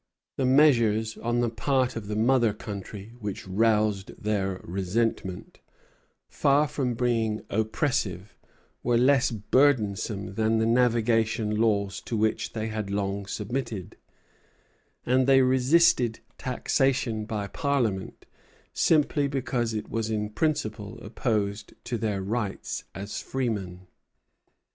The measures on the part of the mother country which roused their resentment, far from being oppressive, were less burdensome than the navigation laws to which they had long submitted; and they resisted taxation by Parliament simply because it was in principle opposed to their rights as freemen.